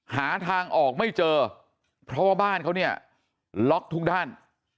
หาทางออกไม่เจอเพราะว่าบ้านเขาเนี่ยล็อกทุกด้าน